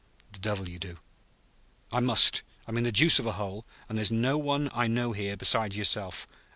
"The devil you do!" "I must. I'm in the deuce of a hole, and there's no one I know here besides yourself.